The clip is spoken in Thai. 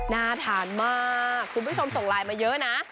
น่าทานมากคุณผู้ชมส่งไลน์มาเยอะนะ